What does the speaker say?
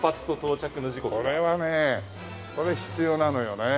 これはねこれ必要なのよね。